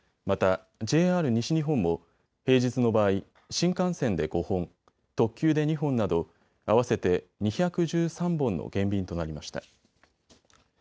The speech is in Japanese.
またＪＲ西日本も平日の場合、新幹線で５本、特急で２本など合わせて２１３本の減便となりました。